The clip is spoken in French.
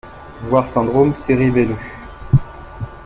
Voir syndrome cérébelleux.